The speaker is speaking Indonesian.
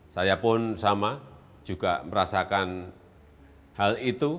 saya pun sama juga merasakan hal itu